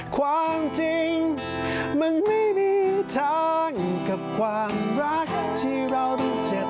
ความจริงมันไม่มีทางกับความรักที่เราได้เจ็บ